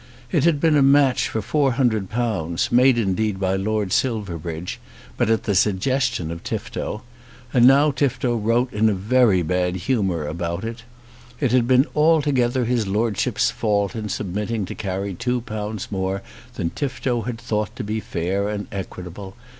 It had been a match for four hundred pounds, made indeed by Lord Silverbridge, but made at the suggestion of Tifto; and now Tifto wrote in a very bad humour about it. It had been altogether his Lordship's fault in submitting to carry two pounds more than Tifto had thought to be fair and equitable.